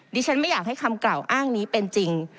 ดิฉันไม่อยากให้คำกล่าวอ้างนี้เป็นจริง